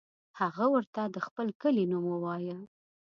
هغه ورته د خپل کلي نوم ووایه.